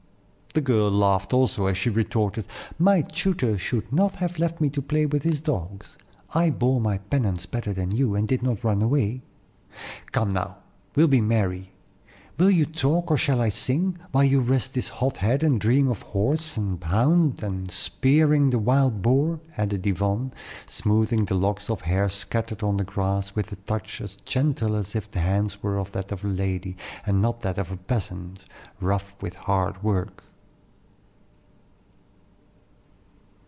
The girl laughed also as she retorted, "My tutor should not have left me to play with his dogs. I bore my penance better than you, and did not run away. Come now, we'll be merry. Will you talk, or shall I sing, while you rest this hot head, and dream of horse and hound and spearing the wild boar?" added Yvonne, smoothing the locks of hair scattered on the grass, with a touch as gentle as if the hand were that of a lady, and not that of a peasant, rough with hard work.